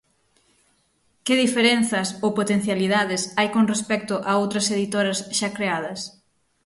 Que diferenzas ou potencialidades hai con respecto a outras editoras xa creadas?